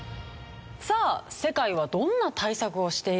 さあ世界はどんな対策をしている？